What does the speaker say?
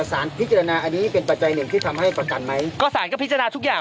สารพิจารณาอันนี้เป็นปัจจัยหนึ่งที่ทำให้ประกันไหมก็สารก็พิจารณาทุกอย่าง